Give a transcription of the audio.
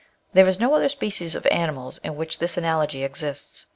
There is no other species of animals in which this analogy exists.